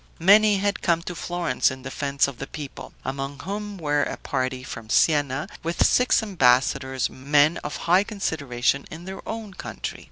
Many had come to Florence in defense of the people; among whom were a party from Sienna, with six ambassadors, men of high consideration in their own country.